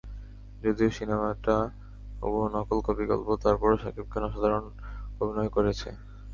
যদিও সিনেমাটা হুবহু নকল কপি গল্প, তারপরও শাকিব খান অসাধারণ অভিনয় করেছে।